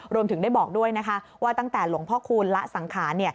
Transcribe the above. รวมถึงได้บอกด้วยนะคะว่าตั้งแต่หลวงพ่อคูณละสังขาร